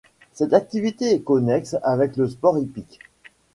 Cette activité est connexe avec le sport hippique.